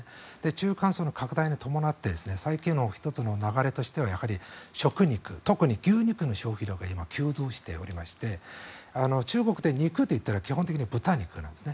中間層の拡大に伴って最近の１つの流れとしては食肉、特に牛肉の消費量が今、急増しておりまして中国で肉と言ったら基本的に豚肉なんです。